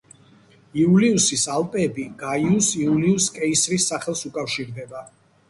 იულიუსის ალპები გაიუს იულიუს კეისრის სახელს უკავშირდება.